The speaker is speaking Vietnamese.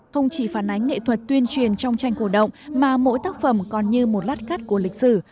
không chỉ phản ánh nghệ thuật tuyên truyền trong tranh cổ động mà mỗi tác phẩm còn như một lát cắt của lịch sử